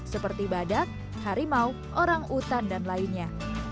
seperti badak harimau orang utan dan lainnya